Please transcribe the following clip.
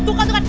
tuh kan tuh kan